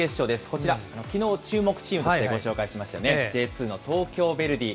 こちら、きのう注目チームとしてご紹介しましたよね、Ｊ２の東京ヴェルディ。